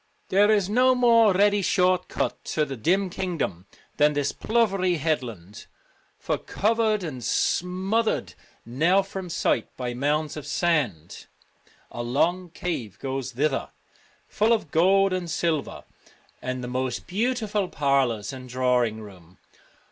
There is no more ready short cut to the dim kingdom than this plovery headland, for, covered and smoth ered now from sight by mounds of sand, a long cave goes thither ' full of gold and silver, and the most beautiful parlours and drawing rooms.'